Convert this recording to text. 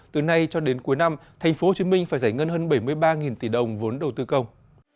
từ nay cho đến cuối năm tp hcm phải giải ngân hơn bảy mươi ba tỷ đồng vốn đầu tư công